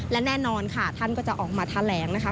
และแน่นอนค่ะท่านก็จะออกมาแถลงนะคะ